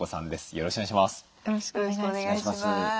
よろしくお願いします。